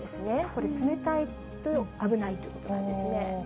これ、冷たいと危ないということなんですね。